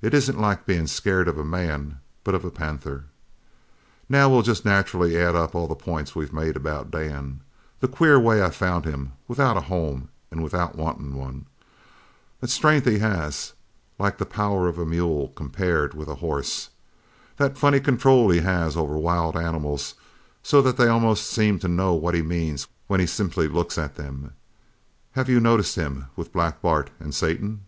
It isn't like being scared of a man, but of a panther. "Now we'll jest nacherally add up all the points we've made about Dan the queer way I found him without a home an' without wantin' one that strength he has that's like the power of a mule compared with a horse that funny control he has over wild animals so that they almost seem to know what he means when he simply looks at them (have you noticed him with Black Bart and Satan?)